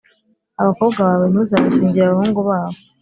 Abakobwa bawe ntuzabashyingire abahungu babo,